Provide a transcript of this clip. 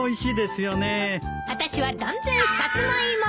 あたしは断然サツマイモ！